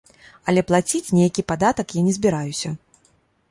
Але плаціць ніякі падатак я не збіраюся.